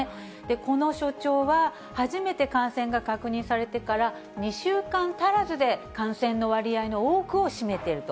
この所長は、初めて感染が確認されてから２週間足らずで感染の割合の多くを占めていると。